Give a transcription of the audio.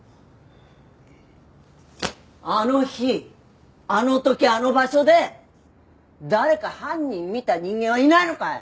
あの日あの時あの場所で誰か犯人見た人間はいないのかい？